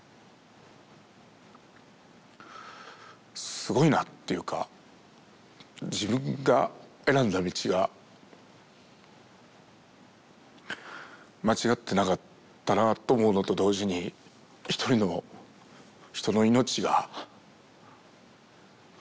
すごいなっていうか自分が選んだ道が間違ってなかったなと思うのと同時に一人の人の命が自分がいることによってなんかうん。